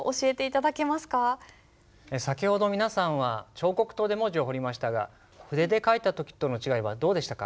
先ほど皆さんは彫刻刀で文字を彫りましたが筆で書いた時との違いはどうでしたか？